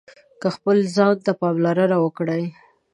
که خپل ځان ته پاملرنه وکړئ